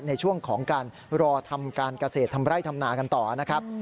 ในช่วงของการรอทำการเกษตรทำไร่ทำนากันต่อนะครับ